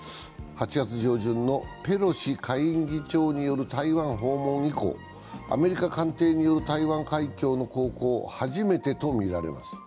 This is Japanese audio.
８月上旬のペロシ下院議長による台湾訪問以降、アメリカ艦艇による台湾海峡の航行、初めてとみられます。